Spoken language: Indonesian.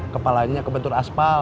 kepalanya kebentur aspal